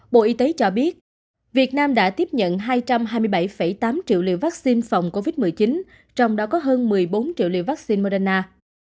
bộ y tế cho biết việt nam đã tiếp nhận hai trăm hai mươi bảy tám triệu liều vaccine phòng covid một mươi chín trong đó có hơn một mươi bốn triệu liều vaccine moderna